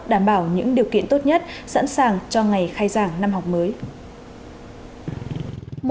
đảm bảo những điều kiện tốt nhất sẵn sàng cho ngày khai giảng năm học mới